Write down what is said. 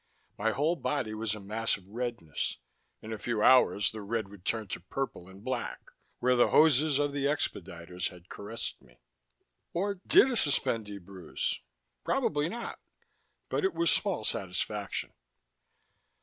My whole body was a mass of redness; in a few hours the red would turn to purple and black, where the hoses of the expediters had caressed me. Or did a suspendee bruise? Probably not. But it was small satisfaction.